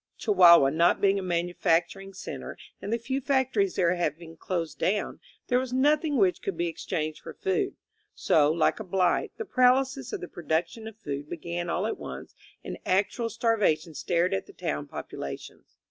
Chihuahua not being a manufacturing center, and the few factories there having closed down, there was noth ing which could be exchanged for food. So, like a blight, the paralysis of the production of food began all at once and actual starvation stared at the town populations.